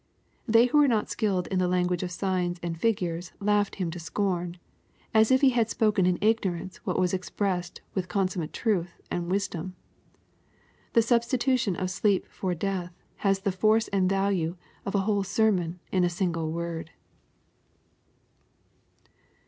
They who were not skilled in the language of signs and figures laughed Him to scorn, as if He had spoken in ignorance what was expressed with consummate truth and wisdom. The substitution of sleep for death had the force and value of a whole sermon in a single word."